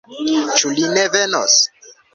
Ĉu li ne venos?